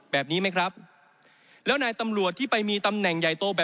แบบนี้ไหมครับ